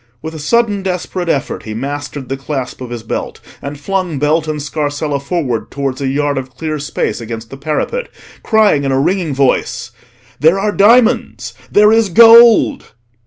With a sudden desperate effort he mastered the clasp of his belt, and flung belt and scarsella forward towards a yard of clear space against the parapet, crying in a ringing voice— "There are diamonds! there is gold!"